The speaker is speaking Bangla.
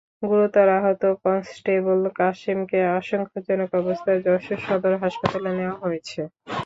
গুরুতর আহত কনস্টেবল কাসেমকে আশঙ্কাজনক অবস্থায় যশোর সদর হাসপাতালে নেওয়া হয়েছে।